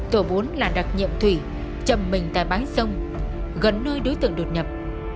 tổ bốn là đặc nhiệm thủy chầm mình tại bãi sông gần nơi đối tượng đột nhập